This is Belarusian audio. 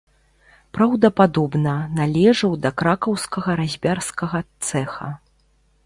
Праўдападобна, належаў да кракаўскага разьбярскага цэха.